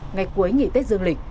ngày cuối nghỉ tết dương lịch